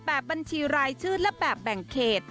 แบบบัญชีรายชื่อและแบบแบ่งเขต